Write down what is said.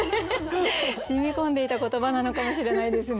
染み込んでいた言葉なのかもしれないですね。